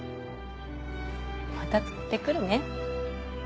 また撮ってくるね。